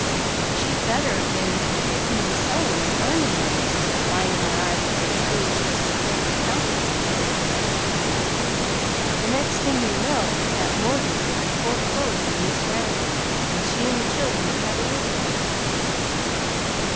"She'd better 'a' been takin' in sewin' and earnin' money, 'stead o' blindin' her eyes on such foolishness as quilted counterpanes," said Mrs. Cobb. "The next thing you know that mortgage will be foreclosed on Mis' Randall, and she and the children won't have a roof over their heads."